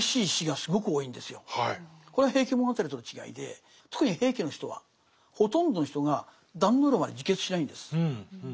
これは「平家物語」との違いで特に平家の人はほとんどの人が壇ノ浦まで自決しないんです。